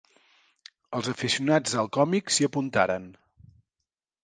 Els aficionats al còmic s'hi apuntaran.